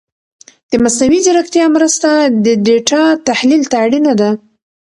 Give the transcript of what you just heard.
د مصنوعي ځیرکتیا مرسته د ډېټا تحلیل ته اړینه ده.